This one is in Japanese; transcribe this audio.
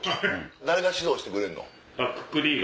誰が指導してくれんの？